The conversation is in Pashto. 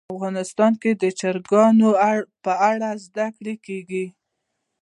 افغانستان کې د چرګان په اړه زده کړه کېږي.